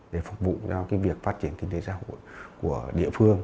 để phục vụ cho việc phát triển kinh tế xã hội của địa phương